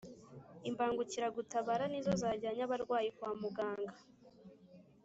Imbagukira gutabara nizo zajyanye abarwayi kwamuganga